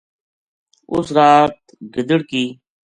اُس رات گدڑ کِ